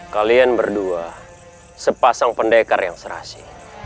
kalian berdua sepasang pendekar yang serasi